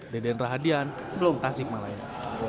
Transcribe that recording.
deden rahadian blong tasik malaya